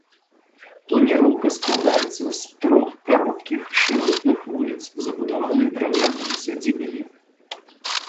Планіроўка складаецца з трох кароткіх, шыротных вуліц, забудаваных драўлянымі сядзібамі.